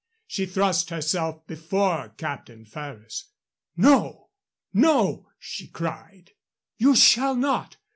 She thrust herself before Captain Ferrers. "No! No!" she cried. "You shall not!